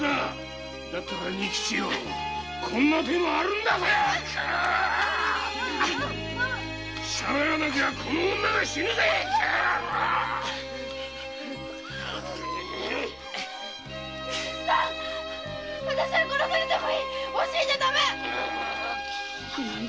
だったら仁吉よこんな手もあるんだぜしゃべらなきゃこの女が死ぬぜ仁吉っつぁん